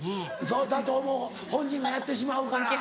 そうだと思う本人がやってしまうから。